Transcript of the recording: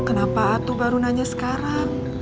kenapa aku baru nanya sekarang